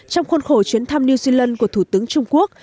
trong khuôn khổ chuyến thăm new zealand của thủ tướng trung quốc